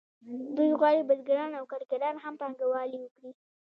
دوی غواړي بزګران او کارګران هم پانګوالي وکړي